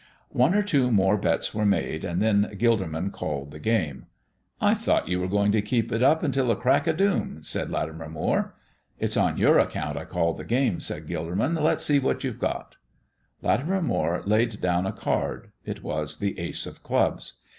One or two more bets were made, and then Gilderman called the game. "I thought you were going to keep it up till the crack of doom," said Latimer Moire. "It's on your account I call the game," said Gilderman. "Let's see what you've got." Latimer Moire laid down a card. It was the ace of clubs.